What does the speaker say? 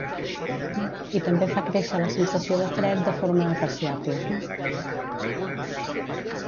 I també fa créixer la sensació de fred de forma apreciable.